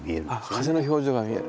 風の表情が見える。